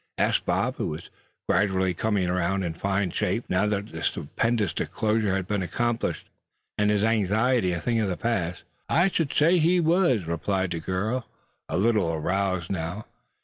asked Bob, who was gradually coming around in fine shape, now that the stupendous disclosure had been accomplished, and his anxiety a thing of the past. "I shud say he war," replied the girl, a little aroused now.